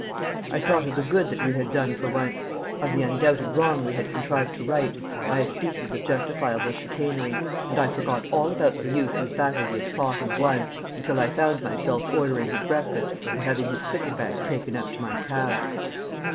I thought of the good that we had done for once, of the undoubted wrong we had contrived to right by a species of justifiable chicanery. And I forgot all about the youth whose battle we had fought and won, until I found myself ordering his breakfast, and having his cricket bag taken out to my cab.